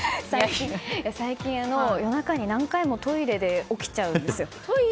最近、夜中に何回もトイレで起きちゃうんですよ。